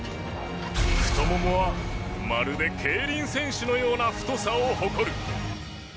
太ももはまるで競輪選手のような太さを誇る。